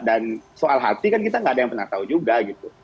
dan soal hati kan kita nggak ada yang pernah tahu juga gitu